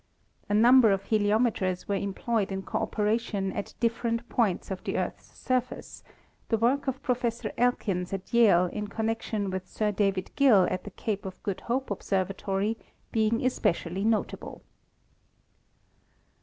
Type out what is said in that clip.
A number of heliometers were employed in cooperation at different points of the Earth's surface, the work of Professor Elkins at Yale in connection with Sir David Gill at the Cape of Good Hope Observatory being especially notable.